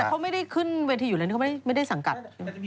เขาไม่ได้ขึ้นเวทีอยู่แล้วนี่เขาไม่ได้สังกัด